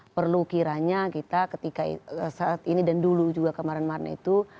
perlu kiranya kita ketika saat ini dan dulu juga kemarin marin itu